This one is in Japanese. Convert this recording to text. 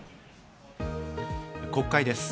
国会です。